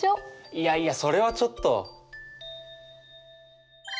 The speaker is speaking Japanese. いやいやそれはちょっと。